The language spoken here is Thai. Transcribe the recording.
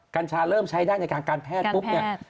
กัญชาเริ่มใช้ได้ในทางการแพทย์ปุ๊บเนี่ย